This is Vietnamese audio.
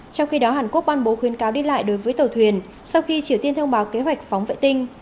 trong khi đó hàn quốc ban bố khuyên cáo đi lại đối với tàu thuyền sau khi triều tiên thông báo kế hoạch phóng vệ tinh